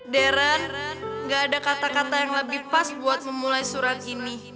deran gak ada kata kata yang lebih pas buat memulai surat ini